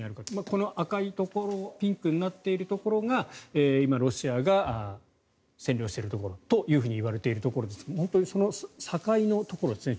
この赤いところピンクになっているところが今、ロシアが占領しているところといわれているところですが本当にその境のところですね。